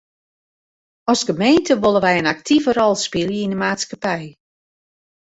As gemeente wolle wy in aktive rol spylje yn de maatskippij.